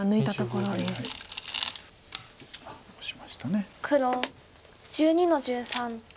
黒１２の十三オシ。